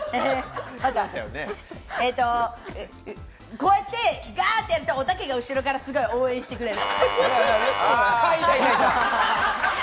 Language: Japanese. こうやってガッてやっておたけが後ろからすごい応援してくれる。